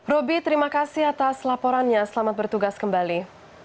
roby terima kasih atas laporannya selamat bertugas kembali